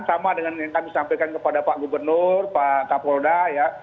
sama dengan yang kami sampaikan kepada pak gubernur pak kapolda ya